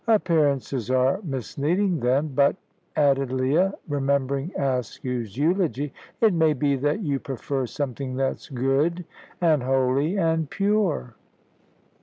"Appearances are misleading, then. But," added Leah, remembering Askew's eulogy, "it may be that you prefer something that's good and holy and pure."